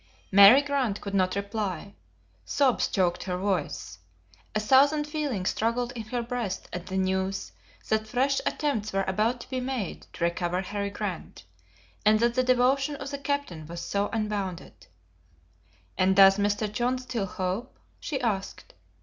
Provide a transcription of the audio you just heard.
Mary Grant could not reply. Sobs choked her voice. A thousand feelings struggled in her breast at the news that fresh attempts were about to be made to recover Harry Grant, and that the devotion of the captain was so unbounded. "And does Mr. John still hope?" she asked.